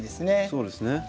そうですね。